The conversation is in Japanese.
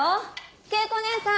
恵子姉さん！